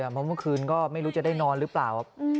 เพราะเมื่อคืนก็ไม่รู้จะได้นอนหรือเปล่า